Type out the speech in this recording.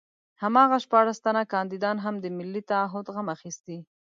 هماغه شپاړس تنه کاندیدان هم د ملي تعهُد غم اخیستي.